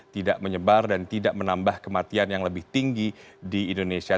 tidak menyebar dan tidak menambah kematian yang lebih tinggi di indonesia